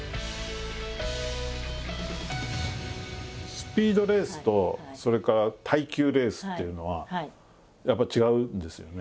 スピードレースとそれから耐久レースっていうのはやっぱり違うんですよね。